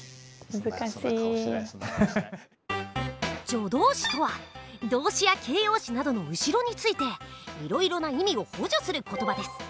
助動詞とは動詞や形容詞などの後ろについていろいろな意味を補助する言葉です。